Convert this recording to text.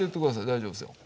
大丈夫ですよ。